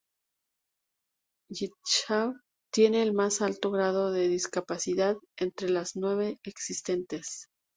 Yitzhak tiene al más alto grado de discapacidad, entre las nueve existentes.